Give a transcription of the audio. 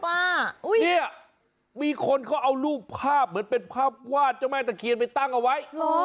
เนี่ยมีคนเขาเอารูปภาพเหมือนเป็นภาพวาดเจ้าแม่ตะเคียนไปตั้งเอาไว้